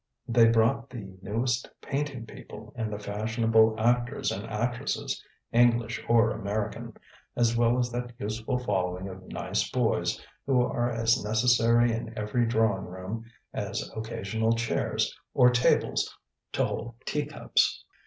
They brought the newest painting people, and the fashionable actors and actresses, English or American, as well as that useful following of "nice boys," who are as necessary in every drawing room as occasional chairs, or tables to hold tea cups.